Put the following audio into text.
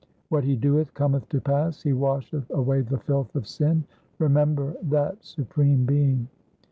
What He doeth cometh to pass, He washeth away the filth of sin ; remember that Supreme Being.